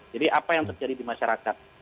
jadi apa yang terjadi di masyarakat